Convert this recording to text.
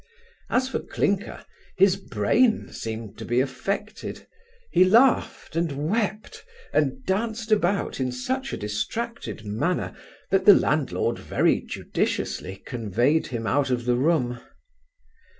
As for Clinker, his brain seemed to be affected. He laughed, and wept, and danced about in such a distracted manner, that the landlord very judiciously conveyed him out of the room.